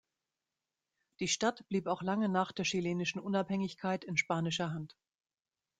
Die Stadt blieb auch lange nach der chilenischen Unabhängigkeit in spanischer Hand.